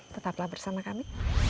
tetaplah bersama kami